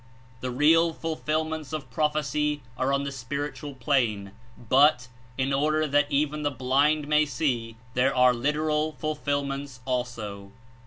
The real fulfilments of prophecy are on the spiritual plane but, In order that even the blind may see, there are literal fulfilments also.